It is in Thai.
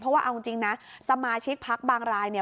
เพราะว่าเอาจริงนะสมาชิกพักบางรายเนี่ย